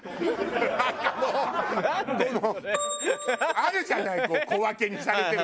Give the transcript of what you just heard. あるじゃない小分けにされてるコーナーが。